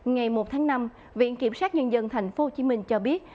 ngày một tháng năm viện kiểm sát nhân dân tp hcm cho biết